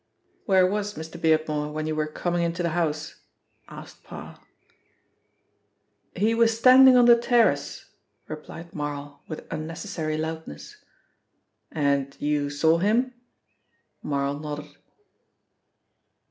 "Where was Mr. Beardmore when you were coming into the house?" asked Parr. "He was standing on the terrace," replied Marl with unnecessary loudness. "And you saw him?" Marl nodded.